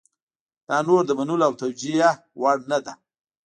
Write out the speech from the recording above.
دا نور د منلو او توجیه وړ نه ده.